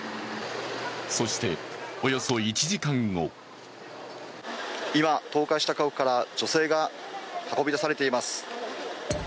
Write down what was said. そして、およそ１時間後今、倒壊した家屋から女性が運び出されています。